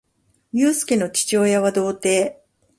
ゆうすけの父親は童貞